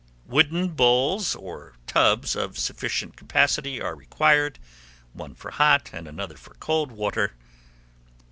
Wooden bowls or tubs of sufficient capacity are required, one for hot and another for cold water.